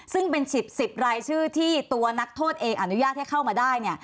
ซึ่งเป็น๑๐รายชื่อที่ตัวนักโทษเอกมาได้